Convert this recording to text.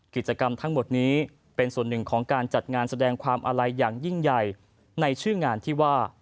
กิจกรรมทั้งหมดนี้เป็นส่วนหนึ่งของการจัดงานแสดงความอาลัยอย่างยิ่งใหญ่ในชื่องานที่ว่า